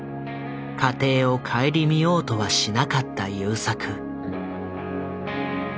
家庭を顧みようとはしなかった優作。